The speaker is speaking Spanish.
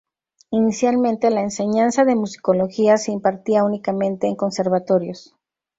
Inicialmente, la enseñanza de musicología se impartía únicamente en conservatorios.